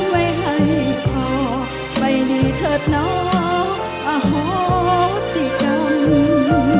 ไม่ให้พอไปหนีเถิดน้องอาหองสีตำ